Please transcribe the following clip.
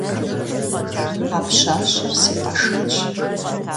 А пщащэр си къэшэнщ.